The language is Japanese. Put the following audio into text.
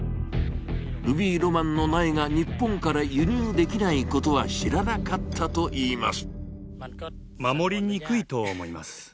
ルビーロマンの苗が日本から輸入できないことは知らなかったと言います。